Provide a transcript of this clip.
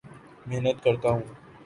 محنت کرتا ہوں